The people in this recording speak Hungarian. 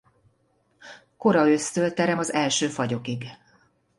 Kora ősztől terem az első fagyokig.